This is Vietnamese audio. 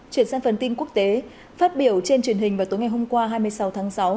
chuyển sang phần tin quốc tế phát biểu trên truyền hình vào tối ngày hôm qua hai mươi sáu tháng sáu